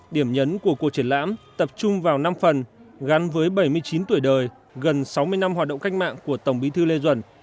điểm nhấn của cuộc triển lãm tập trung vào năm phần gắn với bảy mươi chín tuổi đời gần sáu mươi năm hoạt động cách mạng của tổng bí thư lê duẩn